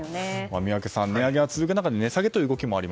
宮家さん、値上げは続く中で値下げという動きがあると。